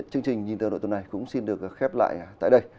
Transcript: chương trình nhìn tờ nội tuần này cũng xin được khép lại tại đây